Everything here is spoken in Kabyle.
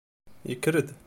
Yekker-d.